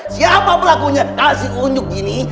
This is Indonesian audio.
siapa pelakunya kasih unjuk gini